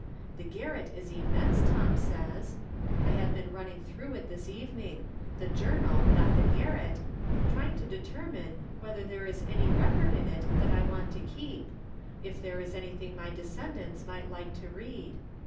The garret is immense, Tom says. I have been running through it this evening — the Journal, not the garret — trying to determine whether there is any record in it that I want to keep ; if there is anything my descendants might like to read.